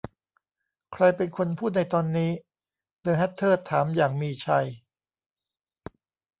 'ใครเป็นคนพูดในตอนนี้ ?' เดอะแฮทเทอร์ถามอย่างมีชัย